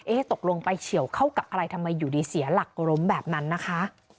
ตกลงไปเฉียวเข้ากับอะไรทำไมอยู่ดีเสียหลักล้มแบบนั้นนะคะ